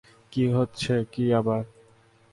কি হচ্ছে কি আবার?